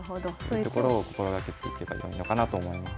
そういうところを心がけていけばよいのかなと思います。